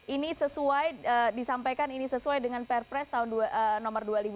ini sesuai disampaikan ini sesuai dengan perpres tahun nomor dua ribu dua puluh